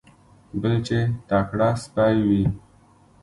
بل چې تکړه سپی وي.